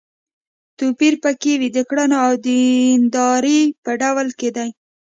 توپير په کې وي د کړنو او د دیندارۍ په ډول کې دی.